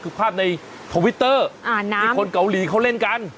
คือภาพในทวิตเตอร์ที่คนเกาหลีเขาเล่นกัน